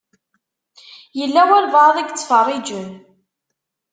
Yella walebɛaḍ i yettfeṛṛiǧen.